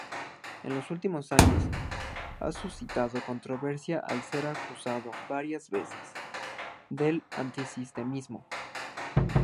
En los últimos años ha suscitado controversia al ser acusado, varias veces, de antisemitismo.